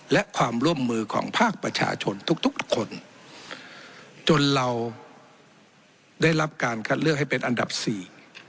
และความร่วมมือของภาคประชาชนทุกทุกคนจนเราได้รับการคัดเลือกให้เป็นอันดับสี่